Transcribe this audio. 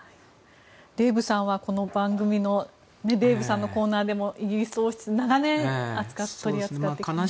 デーブさんは、この番組のデーブさんのコーナーでもイギリス王室長年扱ってきましたが。